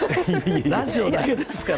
ラジオだけですから。